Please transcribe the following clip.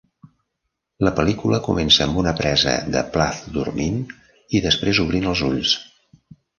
La pel·lícula comença amb una presa de Plath dormint i després obrint els ulls.